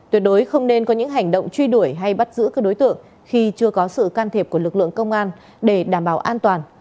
tuyệt đối không nên có những hành động truy đuổi hay bắt giữ các đối tượng khi chưa có sự can thiệp của lực lượng công an để đảm bảo an toàn